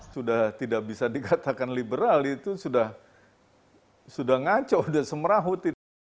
sudah tidak bisa dikatakan liberal itu sudah ngaco sudah semeraut itu